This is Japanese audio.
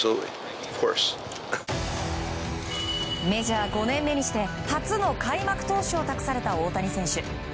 メジャー５年目にして初の開幕投手を託された大谷選手。